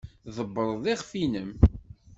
Tḍebbred iɣef-nnem.